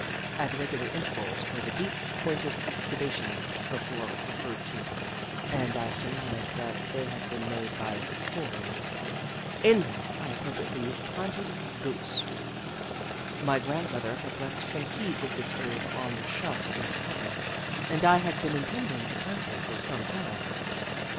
At regular intervals were the deep, pointed excavations before referred to, and I surmised that they had been made by his horns. I n them I appropriately planted goatsrue. My grand mother had left some seeds of this herb on the shelf in the cabin, and I had been intending to plant them for some time.